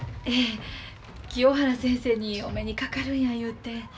ええ清原先生にお目にかかるんや言うて。